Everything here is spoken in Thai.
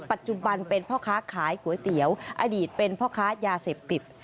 ปัจจุบันเป็นพ่อค้าขายก๋วยเตี๋ยวอดีตเป็นพ่อค้ายาเสพติด